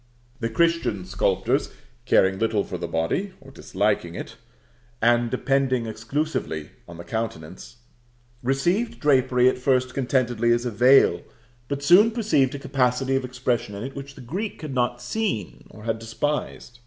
The Christian sculptors, caring little for the body, or disliking it, and depending exclusively on the countenance, received drapery at first contentedly as a veil, but soon perceived a capacity of expression in it which the Greek had not seen or had despised.